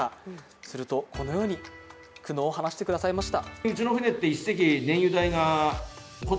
するとこのように苦悩を話してくださいました。